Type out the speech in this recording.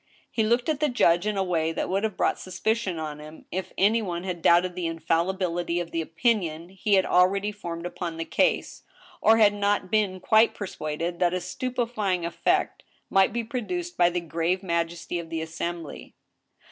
He looked at the judge in a way that would have brought suspicion on him if any one had doubted the infallibility of the opinion he had already formed upon the case, or had not been quite persuaded that a stupefying effect might be produced by the grave majesty of the assembly.